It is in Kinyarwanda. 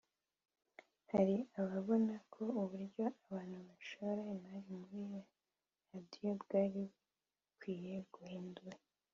hari ababona ko uburyo abantu bashora imari muri radiyo bwari bukwiye guhindura